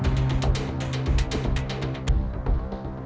ya ada tiga orang